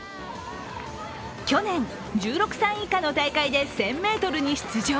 去年１６歳以下の大会で１０００ｍに出場。